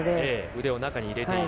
腕を中に入れている。